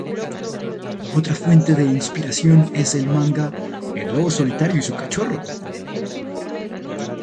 Otra fuente de inspiración es el manga "El lobo solitario y su cachorro".